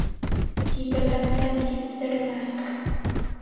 Тибәгәндән типтермә.